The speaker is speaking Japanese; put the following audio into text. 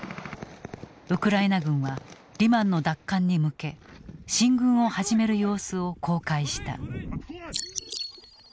ウクライナ軍はリマンの奪還に向け進軍を始める様子を公開した。